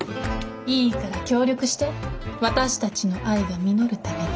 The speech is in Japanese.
いいから協力して私たちの愛が実るために。